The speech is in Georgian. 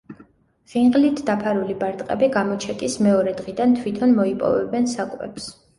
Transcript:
ღინღლით დაფარული ბარტყები გამოჩეკის მეორე დღიდან თვითონ მოიპოვებენ საკვებს.